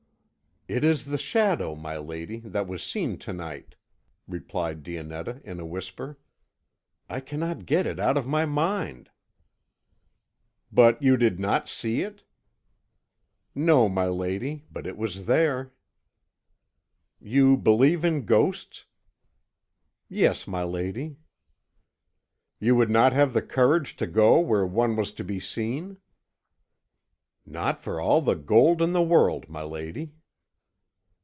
"It is the Shadow, my lady, that was seen to night," replied Dionetta in a whisper; "I cannot get it out of my mind." "But you did not see it?" "No, my lady; but it was there." "You believe in ghosts?" "Yes, my lady." "You would not have the courage to go where one was to be seen?" "Not for all the gold in the world, my lady."